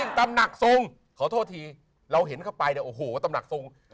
ตำหนักทรงขอโทษทีเราเห็นเข้าไปเนี่ยโอ้โหตำหนักทรง